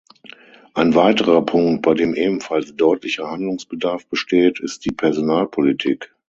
Ein weiterer Punkt, bei dem ebenfalls deutlicher Handlungsbedarf besteht, ist die Personalpolitik.